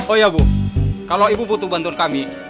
oh ya bu kalau ibu butuh bantuan kami